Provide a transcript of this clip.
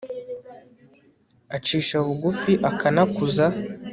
acisha bugufi, akanakuza